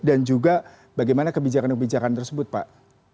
dan juga bagaimana kebijakan kebijakan tersebut pak